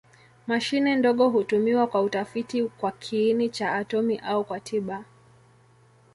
Mashine ndogo hutumiwa kwa utafiti kwa kiini cha atomi au kwa tiba.